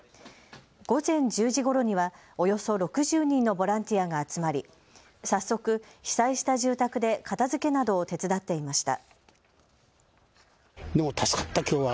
午前１０時ごろには、およそ６０人のボランティアが集まり早速、被災した住宅で片づけなどを手伝っていました。